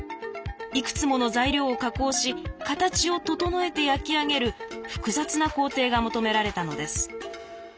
いくつもの材料を加工し形を整えて焼き上げる複雑な工程が求められたのです。